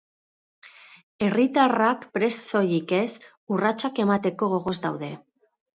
Herritarrak prest soilik ez, urratsak emateko gogoz daude.